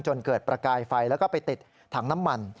จนเกิดประกายไฟแล้วก็ไปติดถังน้ำมัน